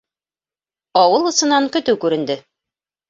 Ауыл осонан көтөү күренде.